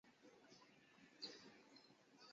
验货完再付钱